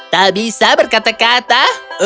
tak bisa berkata kata